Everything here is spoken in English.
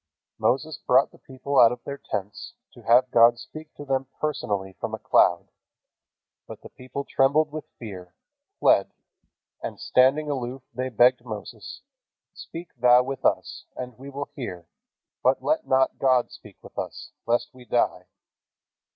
Moses brought the people out of their tents to have God speak to them personally from a cloud. But the people trembled with fear, fled, and standing aloof they begged Moses: "Speak thou with us, and we will hear: but let not God speak with us, lest we die."